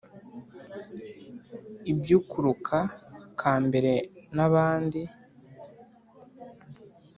ibyukuruka kambere na bandi